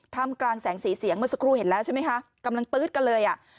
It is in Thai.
ทำกลางแสงสีเสียงเมื่อสักครู่เห็นแล้วใช่ไหมคะกำลังตื๊ดกันเลยอ่ะ